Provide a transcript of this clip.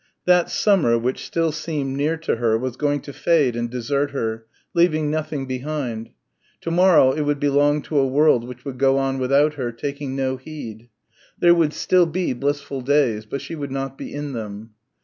That summer, which still seemed near to her, was going to fade and desert her, leaving nothing behind. To morrow it would belong to a world which would go on without her, taking no heed. There would still be blissful days. But she would not be in them.